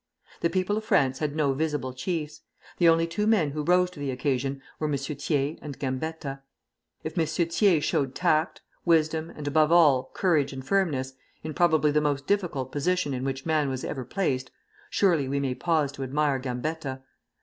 The people of France had no visible chiefs; the only two men who rose to the occasion were M. Thiers and Gambetta. If M. Thiers showed tact, wisdom, and above all courage and firmness, in probably the most difficult position in which man was ever placed, surely we may pause to admire Gambetta....